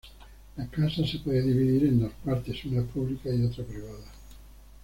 La casa se puede dividir en dos partes, una pública y otra privada.